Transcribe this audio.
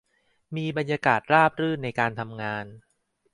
มีบรรยากาศราบรื่นในการทำงาน